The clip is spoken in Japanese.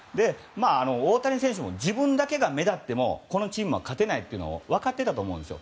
大谷選手も自分だけが目立ってもこのチームは勝てないというのは分かっていたと思うんですよ。